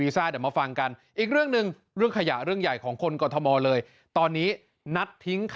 ตามในเช้านี้ต้องรู้